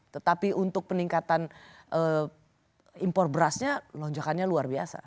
tetapi untuk peningkatan impor berasnya lonjakannya luar biasa